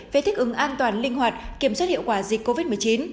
về thích ứng an toàn linh hoạt kiểm soát hiệu quả dịch covid một mươi chín